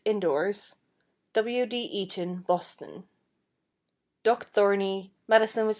(indoors), W. D. Eaton, Boston; Doc Thorney, Madison, Wis.